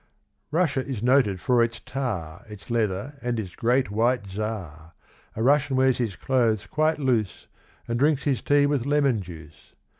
Russia is noted for its tar, Its leather, and its great, white Czar. A Russian wears his clothes quite loose, And drinks his tea with lemon juice.